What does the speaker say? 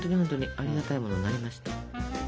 有り難いものになりました。